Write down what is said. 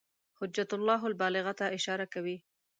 حجة الله البالغة ته اشاره کوي.